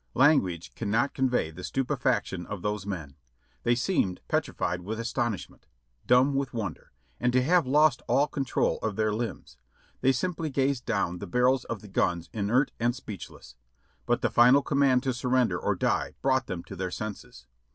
Language cannot convey the stupefaction of those men. They seemed petrified with astonishment — dumb with wonder, and to have lost all control of their limbs. They simply gazed down the barrels of the guns inert and speechless. But the final command to surrender or die brought them to their senses.